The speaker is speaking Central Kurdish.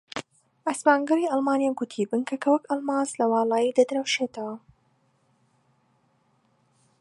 ئاسمانگەڕی ئەڵمانیا گوتی بنکەکە وەک ئەڵماس لە واڵایی دەدرەوشێتەوە